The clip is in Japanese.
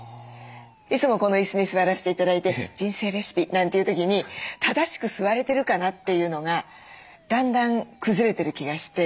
いつもこの椅子に座らせて頂いて「人生レシピ」なんていう時に正しく座れてるかなっていうのがだんだん崩れてる気がして。